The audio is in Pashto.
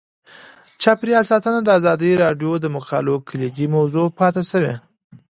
چاپیریال ساتنه د ازادي راډیو د مقالو کلیدي موضوع پاتې شوی.